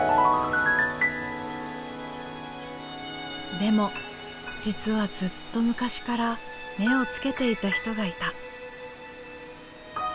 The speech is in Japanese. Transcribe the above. でも実はずっと昔から目をつけていた人がいた。